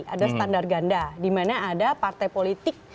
ada standar ganda di mana ada partai politik